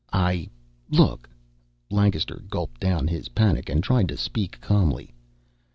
"I look." Lancaster gulped down his panic and tried to speak calmly.